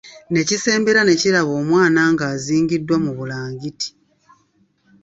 Ne kisembera ne kiraba omwana ng'azingidwa mu bulangiti.